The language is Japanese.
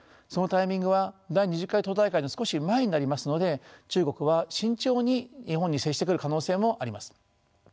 そのタイミングは第２０回党大会の少し前になりますので中国は慎重に日本に接してくる可能性もあります。